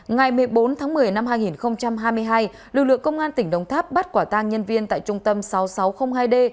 ngày một mươi bốn tháng một mươi năm hai nghìn hai mươi hai lực lượng công an tỉnh đồng tháp bắt quả tang nhân viên tại trung tâm sáu nghìn sáu trăm linh hai d